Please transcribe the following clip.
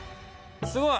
すごい。